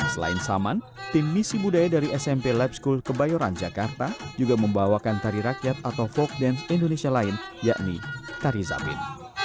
selain saman tim misi budaya dari smp lab school kebayoran jakarta juga membawakan tari rakyat atau folk dance indonesia lain yakni tari zapin